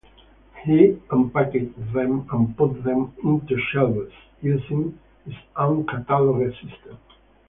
He unpacked them and put them onto shelves using his own catalogue system.